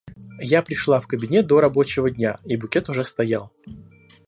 Я пришла в кабинет до рабочего дня, и букет уже стоял.